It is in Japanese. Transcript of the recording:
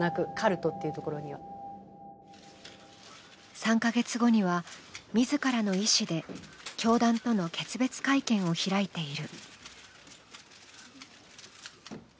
３か月後には自らの意思で教団との決別会見を開いている。